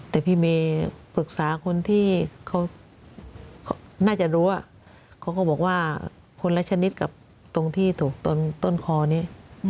แต่พี่เมย์ปรึกษาคนที่เขาน่าจะรู้เขาก็บอกว่าคนละชนิดกับตรงที่ถูกต้นคอนี้